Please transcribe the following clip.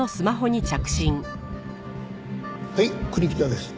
はい国木田です。